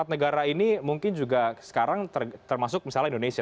empat negara ini mungkin juga sekarang termasuk misalnya indonesia